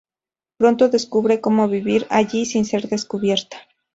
Pronto descubre como vivir allí sin ser descubierta.